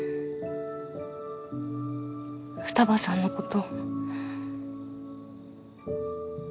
二葉さんのこと。